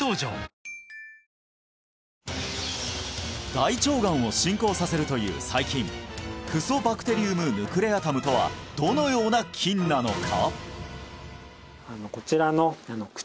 大腸がんを進行させるという細菌フソバクテリウム・ヌクレアタムとはどのような菌なのか？